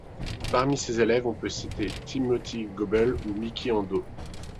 Parmi ses élèves, on peut citer Timothy Goebel, ou Miki Ando.